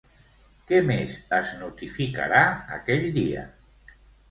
Què més es notificarà aquell dia?